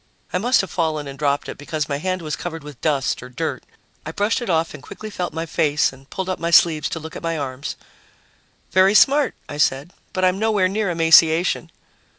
I must have fallen and dropped it, because my hand was covered with dust or dirt. I brushed it off and quickly felt my face and pulled up my sleeves to look at my arms. "Very smart," I said, "but I'm nowhere near emaciation."